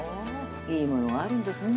いいものがあるんですね